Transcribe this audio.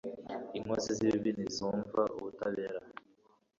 Inkozi z’ibibi ntizumva ubutabera